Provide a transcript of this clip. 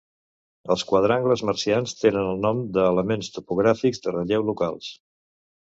Els quadrangles marcians tenen el nom d'elements topogràfics de relleu locals.